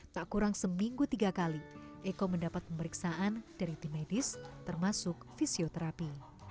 tak kurang seminggu tiga kali eko mendapat pemeriksaan dari tim medis termasuk fisioterapi